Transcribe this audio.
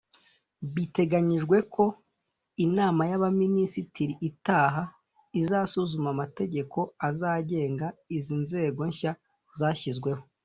Biteganyijwe ko inama y’abaminisitiri itaha izasuzuma amategeko azagenga izi nzego nshya zashyizweho